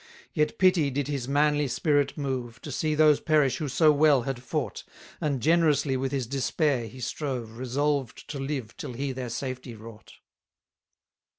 89 Yet pity did his manly spirit move, To see those perish who so well had fought; And generously with his despair he strove, Resolved to live till he their safety wrought.